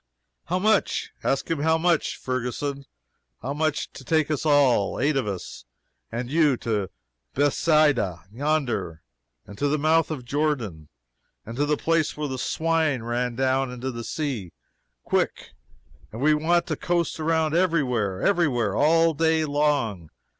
"How much? ask him how much, Ferguson! how much to take us all eight of us, and you to Bethsaida, yonder, and to the mouth of Jordan, and to the place where the swine ran down into the sea quick! and we want to coast around every where every where! all day long!